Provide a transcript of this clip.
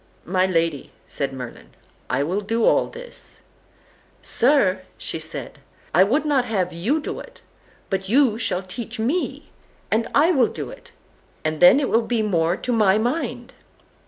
"My lady," said Merlin, "I will do all this." "Sir," said she, "I would not have you do it, but you shall teach me, and I will do it, and then it will be more to my mind."